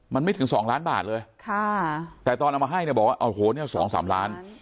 มันไม่ถึง๒ล้านบาทเลยแต่ตอนเอามาให้บอกว่า๒๓ล้าน